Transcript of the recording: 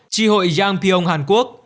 chi hội giang piong hàn quốc